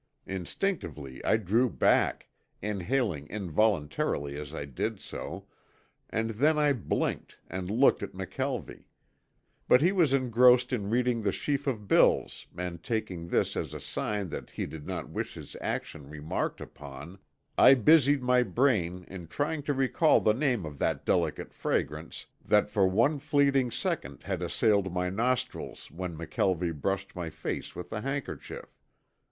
Instinctively I drew back, inhaling involuntarily as I did so, and then I blinked and looked at McKelvie. But he was engrossed in reading the sheaf of bills and taking this as a sign that he did not wish his action remarked upon, I busied my brain in trying to recall the name of that delicate fragrance that for one fleeting second had assailed my nostrils when McKelvie brushed my face with the handkerchief.